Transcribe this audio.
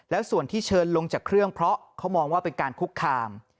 แล้วส่วนที่เชิญลงจากเครื่องเพราะเขามองว่าเป็นการคุกคาม